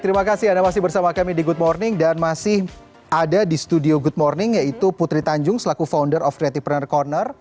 terima kasih anda masih bersama kami di good morning dan masih ada di studio good morning yaitu putri tanjung selaku founder of creative pruner corner